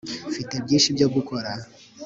mfite byinshi byo gukora